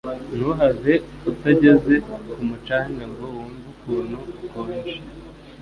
Ntuhave utageze ku mucanga ngo wumve kuntu ukonje